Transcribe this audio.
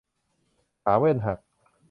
ขาแว่นหัก